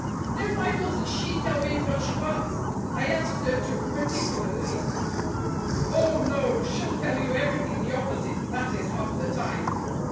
"Then why doesn't she tell me what she wants? I asked her to, particularly." "Oh, no! She'll tell you everything the opposite—that is, half the time.